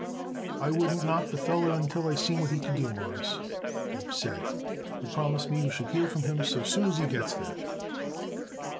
"I wouldn't knock the feller until I seen what he could do, Mawruss," Abe said. "He promised me we should hear from him so soon as he gets there."